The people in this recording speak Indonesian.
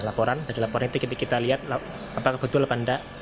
laporan tadi laporan itu kita lihat apakah betul apa enggak